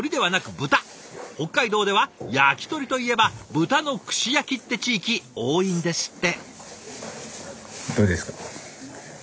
北海道では「やきとり」といえば豚の串焼きって地域多いんですって！